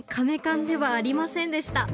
甕棺ではありませんでした